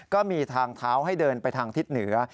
ก็มีทางเท้าให้เดินไปทางทิศเหนือ